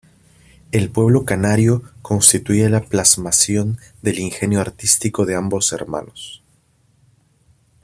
El Pueblo Canario constituye la plasmación del ingenio artístico de ambos hermanos.